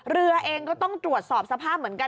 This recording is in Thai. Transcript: เรือเองก็ต้องตรวจสอบสภาพเหมือนกัน